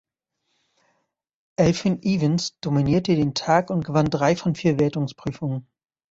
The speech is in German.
Elfyn Evans dominierte den Tag und gewann drei von vier Wertungsprüfungen.